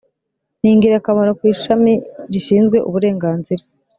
ni ingirakamaro ku ishami rishinzwe uburenganzira.